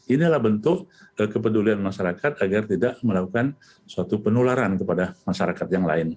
inilah bentuk kepedulian masyarakat agar tidak melakukan suatu penularan kepada masyarakat yang lain